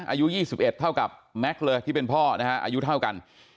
อายุยี่สิบเอ็ดเท่ากับแมคเลอร์ที่เป็นพ่อนะฮะอายุเท่ากัน